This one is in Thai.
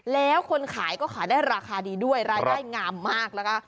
แล้วคนขายก็ขายได้ราคาดีด้วยรายได้งามมากแล้วก็